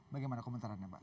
bagaimana komentarnya mbak